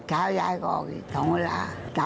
เช้าย้ายก็ออกอีก๒เวลา